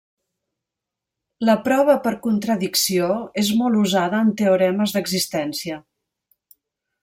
La prova per contradicció és molt usada en teoremes d'existència.